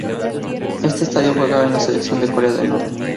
En este estadio juega la selección de Corea del Norte.